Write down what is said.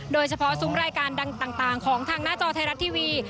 โดยเฉพาะซุ้มรายการต่างของทางหน้าจอไทยรัฐทีวี